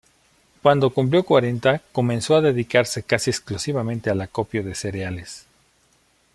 Cuando cumplió cuarenta comenzó a dedicarse casi exclusivamente al acopio de cereales.